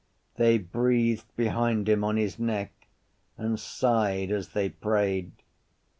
They breathed behind him on his neck and sighed as they prayed.